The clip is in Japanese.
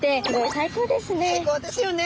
最高ですよね。